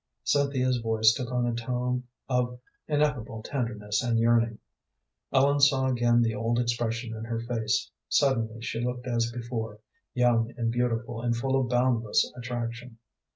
Cynthia's voice took on a tone of ineffable tenderness and yearning. Ellen saw again the old expression in her face; suddenly she looked as before, young and beautiful, and full of a boundless attraction.